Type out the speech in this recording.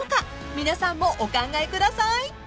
［皆さんもお考えください］